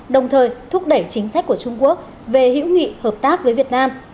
đồng thời thúc đẩy chính sách của trung quốc về hữu nghị hợp tác với việt nam